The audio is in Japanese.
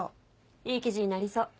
いい記事になりそう。